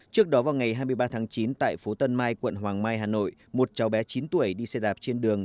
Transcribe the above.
trước đó vào ngày hai mươi ba tháng chín tại phố tân mai quận hoàng mai hà nội một cháu bé chín tuổi đi xe đạp trên đường